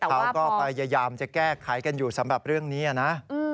เขาก็พยายามจะแก้ไขกันอยู่สำหรับเรื่องนี้นะ